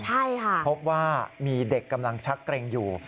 เพราะว่ามีเด็กกำลังชักเกรงอยู่